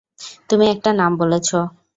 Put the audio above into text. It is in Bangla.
তুমি একটা নাম বলেছ।